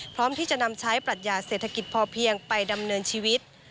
พร้อมที่จะนำใช้ปรัชญาเศรษฐกิจพอเพียงไปดำเนินชีวิต